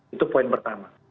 itu poin pertama